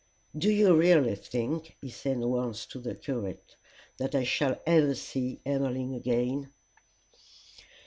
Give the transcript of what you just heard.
"Do you really think," he said once to the curate, "that I shall ever see Emmeline again?"